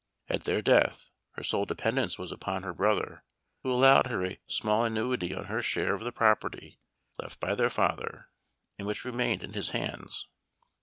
At their death, her sole dependence was upon her brother, who allowed her a small annuity on her share of the property left by their father, and which remained in his hands.